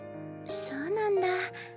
そうなんだ。